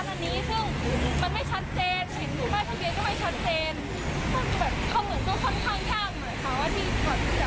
เขาจะทำแบบนี้แล้วตำรวจไม่ดูแลเราเหรออะไรอย่างนี้ค่ะ